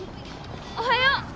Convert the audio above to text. おはよう！